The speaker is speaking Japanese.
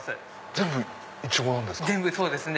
全部イチゴなんですか？